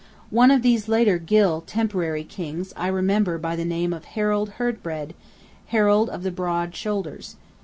One of these later Gylle temporary Kings I remember by the name of Harald Herdebred, Harald of the Broad Shoulders.